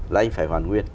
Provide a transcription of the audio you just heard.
là anh phải hoàn nguyên